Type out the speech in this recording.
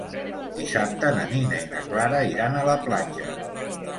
Dissabte na Nina i na Clara iran a la platja.